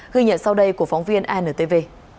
ghi nhận sau đây của phóng viên antv